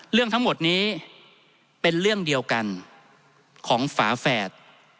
เรื่องทั้งหมดนี้เป็นเรื่องเดียวกันของฝาแฝด